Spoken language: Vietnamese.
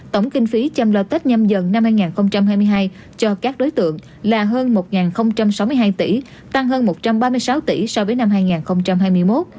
tổng kinh phí chăm lo tết nhâm dần năm hai nghìn hai mươi hai cho các đối tượng là hơn một sáu mươi hai tỷ tăng hơn một trăm ba mươi sáu tỷ so với năm hai nghìn hai mươi một